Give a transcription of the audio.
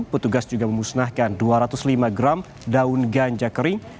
petugas juga memusnahkan dua ratus lima gram daun ganja kering